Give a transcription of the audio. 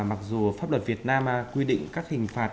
mặc dù pháp luật việt nam quy định các hình phạt